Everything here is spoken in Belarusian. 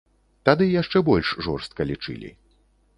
Тады яшчэ больш жорстка лічылі.